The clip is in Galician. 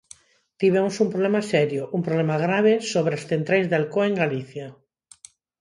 Tivemos un problema serio, un problema grave, sobre as centrais de Alcoa en Galicia.